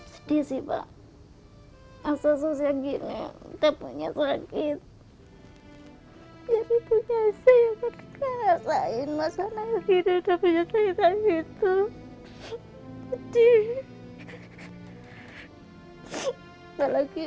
sedih sih pak